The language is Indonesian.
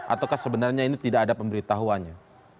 ataukah sebenarnya ini tidak ada pemberitahuannya